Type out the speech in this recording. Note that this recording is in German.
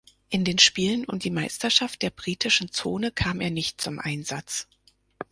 In den Spielen um die Meisterschaft der Britischen Zone kam er nicht zum Einsatz.